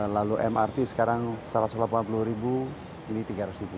lalu mrt sekarang satu ratus delapan puluh ribu ini tiga ratus ribu